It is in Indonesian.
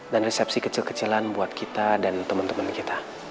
dan resepsi kecil kecilan buat kita dan temen temen kita